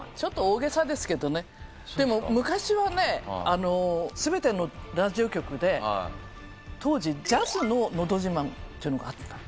でも昔はねあの全てのラジオ局で当時ジャズの「のど自慢」っていうのがあったの。